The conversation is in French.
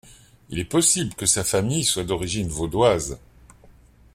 Il est possible que sa famille soit d’origine vaudoise.